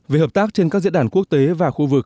về hợp tác trên các diễn đàn quốc tế và khu vực